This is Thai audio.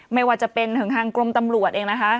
ไม่ว่าจะเป็นถึงทางกรมตำรวจเองนะคะ